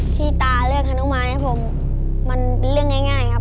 ที่ตาเลือกฮานุมานให้ผมมันเป็นเรื่องง่ายครับ